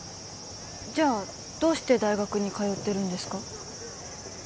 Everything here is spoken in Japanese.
じゃあどうして大学に通ってるんですか？